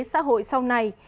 xã hội sau này